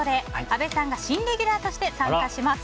阿部さんが新レギュラーとして参加します。